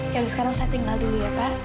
kalau sekarang saya tinggal dulu ya pak